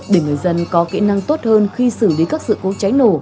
để người dân có kỹ năng tốt hơn khi xử lý các sự cố cháy nổ